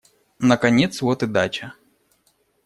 Наконец вот и дача.